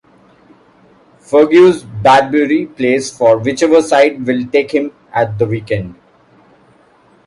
Fergus Bradbury plays for whichever side will take him at the weekend.